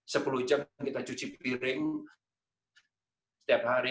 sepuluh jam kita cuci piring setiap hari